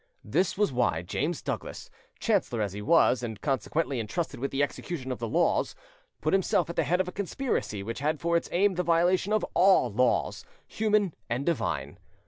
This was why James Douglas, chancellor as he was, and consequently entrusted with the execution of the laws, put himself at the head of a conspiracy which had for its aim the violation of all laws; human and divine.